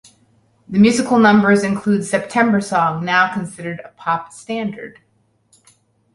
The musical numbers include "September Song", now considered a pop standard.